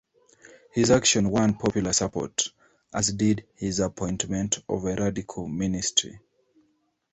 His action won popular support, as did his appointment of a radical ministry.